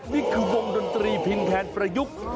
นี่คือวงดนตรีพิมพ์แทนประยุกต์